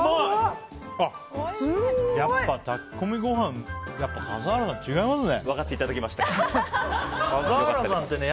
やっぱ炊き込みご飯笠原さんは違いますね。